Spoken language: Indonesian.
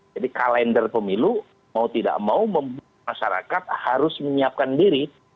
jadi kalender pemilu mau tidak mau membuat masyarakat harus menyiapkan diri